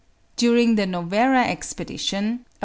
During the Novara Expedition (23.